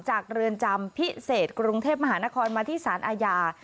เรือนจำพิเศษกรุงเทพมหานครมาที่สารอาญา